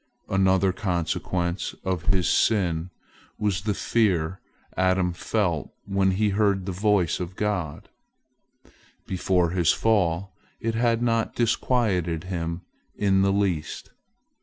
Another consequence of his sin was the fear Adam felt when he heard the voice of God: before his fall it had not disquieted him in the least.